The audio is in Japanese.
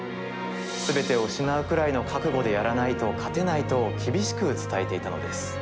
すべてを失うくらいの覚悟でやらないと勝てないと厳しく伝えていたのです。